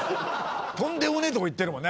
とんでもねえとこいってるもんね